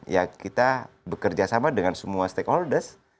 ya kita bekerja sama dengan semua stakeholders